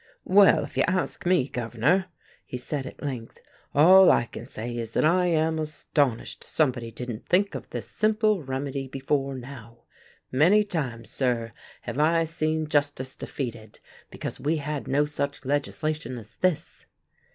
"Well, if you ask me, Governor," he said, at length, "all I can say is that I am astonished somebody didn't think of this simple remedy before now. Many times, sir, have I seen justice defeated because we had no such legislation as this."